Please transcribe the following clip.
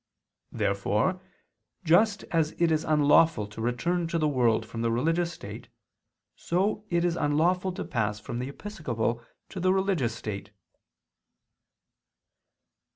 Therefore just as it is unlawful to return to the world from the religious state, so is it unlawful to pass from the episcopal to the religious state.